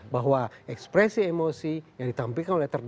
bahwa ekspresi emosi yang ditampilkan oleh terdakwa